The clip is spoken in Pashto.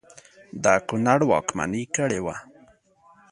د کنړ واکمني کړې وه.